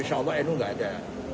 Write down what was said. insya allah ini tidak ada